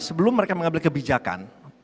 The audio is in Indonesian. sebelum mereka mengambil kebijakan